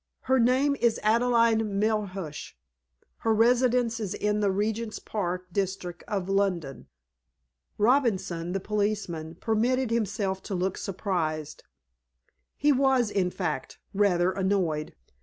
Her name is Adelaide Melhuish. Her residence is in the Regent's Park district of London." Robinson, the policeman, permitted himself to look surprised. He was, in fact, rather annoyed.